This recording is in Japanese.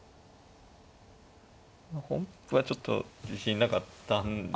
本譜はちょっと自信なかったんで。